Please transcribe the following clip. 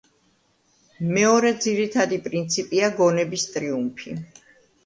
მეორე ძირითადი პრინციპია გონების ტრიუმფი.